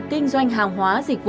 kinh doanh hàng hóa dịch vụ